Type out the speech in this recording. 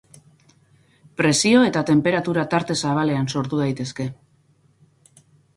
Presio eta tenperatura tarte zabalean sortu daitezke.